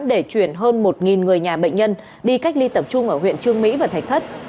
để chuyển hơn một người nhà bệnh nhân đi cách ly tập trung ở huyện trương mỹ và thạch thất